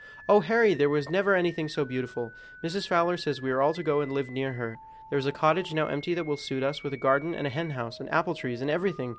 "Oh! Harry, there never was anything so beautiful; Mrs. Fowler says we are all to go and live near her. There is a cottage now empty that will just suit us, with a garden and a henhouse, and apple trees, and everything!